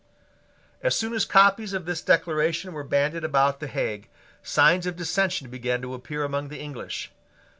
As soon as copies of this Declaration were banded about the Hague, signs of dissension began to appear among the English.